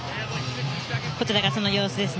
こちらがその様子です。